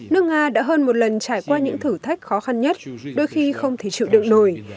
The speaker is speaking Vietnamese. nước nga đã hơn một lần trải qua những thử thách khó khăn nhất đôi khi không thể chịu được nổi